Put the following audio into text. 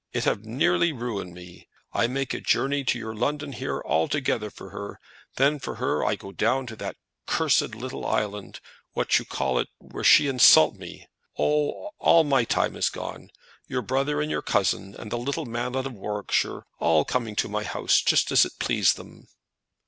It have nearly ruined me. I make a journey to your London here altogether for her. Then, for her, I go down to that accursed little island; what you call it? where she insult me. Oh! all my time is gone. Your brother and your cousin, and the little man out of Warwickshire, all coming to my house, just as it please them."